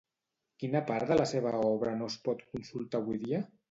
Quina part de la seva obra no es pot consultar avui dia?